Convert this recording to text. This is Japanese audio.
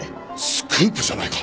スクープじゃないか。